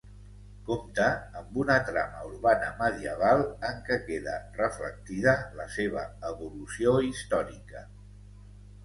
Compta amb una trama urbana medieval en què queda reflectida la seva evolució històrica.